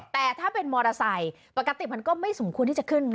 แต่ถ้าเป็นมอเตอร์ไซค์ปกติมันก็ไม่สมควรที่จะขึ้นนะ